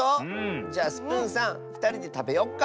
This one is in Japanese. じゃあスプーンさんふたりでたべよっか。